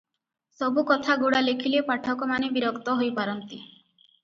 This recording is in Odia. ସବୁ କଥାଗୁଡ଼ା ଲେଖିଲେ ପାଠକମାନେ ବିରକ୍ତ ହୋଇପାରନ୍ତି